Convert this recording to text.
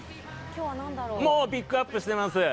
もうピックアップしてます。